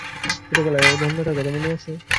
ছোট বেলায় বন্যাটার কথা মনে আছে?